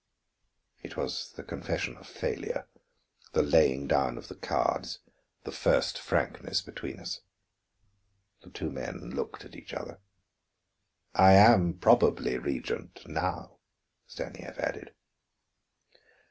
It was the confession of failure, the laying down of the cards, the first frankness between us." The two men looked at each other. "I am probably Regent now," Stanief added.